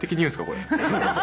これ。